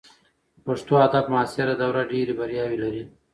د پښتو ادب معاصره دوره ډېر بریاوې لري.